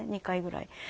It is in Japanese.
２回ぐらい。